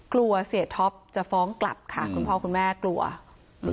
กลัวเสียท็อปจะฟ้องกลับค่ะคุณพ่อคุณแม่กลัวอืม